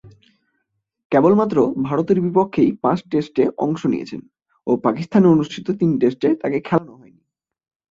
কেবলমাত্র ভারতের বিপক্ষেই পাঁচ টেস্টে অংশ নিয়েছেন ও পাকিস্তানে অনুষ্ঠিত তিন টেস্টে তাকে খেলানো হয়নি।